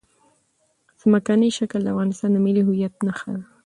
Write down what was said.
ځمکنی شکل د افغانستان د ملي هویت نښه ده.